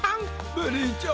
ベリーちゃん！